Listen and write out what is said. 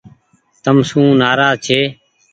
تم سون نآراز ڇي۔